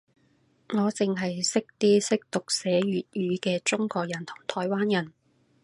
我剩係識啲識讀寫粵語嘅中國人同台灣人